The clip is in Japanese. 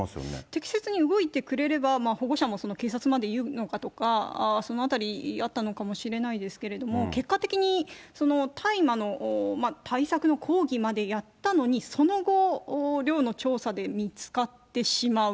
適切に動いてくれれば、保護者も警察まで言うのかとか、そのあたり、あったのかもしれないですけども、結果的に、大麻の対策の講義までやったのに、その後、寮の調査で見つかってしまう。